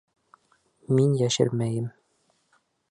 Мин йәшермәйем.